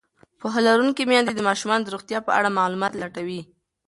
پوهه لرونکې میندې د ماشومانو د روغتیا په اړه معلومات لټوي.